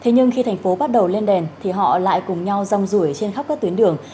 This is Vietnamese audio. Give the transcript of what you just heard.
thế nhưng khi thành phố bắt đầu lên đèn thì họ lại cùng nhau rong rủi trên khắp các tuyến đường